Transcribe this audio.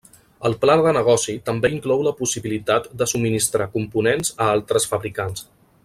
El pla de negoci també inclou la possibilitat de subministrar components a altres fabricants.